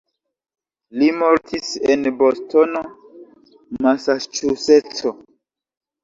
Li mortis en Bostono, Masaĉuseco.